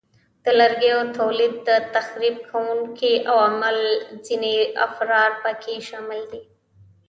د لرګیو تولید، تخریب کوونکي عوامل او ځینې افزار پکې شامل دي.